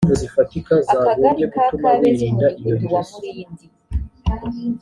akagali ka kabeza umudugudu wa mulindi